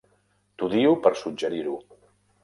T'odio per suggerir-ho.